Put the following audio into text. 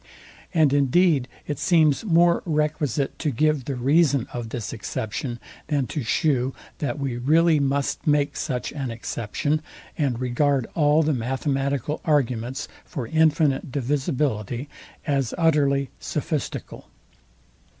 And indeed it seems more requisite to give the reason of this exception, than to shew, that we really must make such an exception, and regard all the mathematical arguments for infinite divisibility as utterly sophistical.